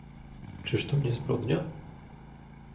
"Czyż to nie zbrodnia?"